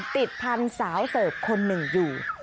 ติดพันธุ์สาวเติบคนหนึ่งอยู่